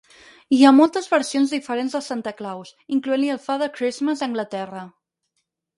Hi ha moltes versions diferents de Santa Claus, incloent-hi el Fathe Christmas a Anglaterra.